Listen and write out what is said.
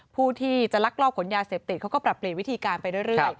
ผู้ที่จะลักลอบขนยาเสพติดเขาก็ปรับเปลี่ยนวิธีการไปเรื่อย